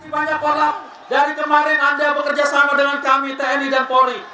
banyak orang dari kemarin anda bekerja sama dengan kami tni dan polri